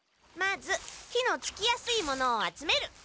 まず火のつきやすいものを集める。